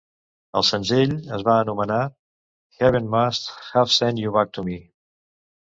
El senzill es va anomenar "Heaven Must Have Sent You Back to Me".